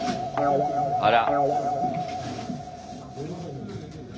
あら。